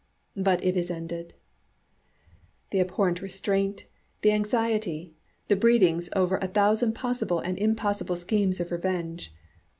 But it is ended the abhorrent restraint, the anxiety, the breedings over a thousand possible and impossible schemes of revenge.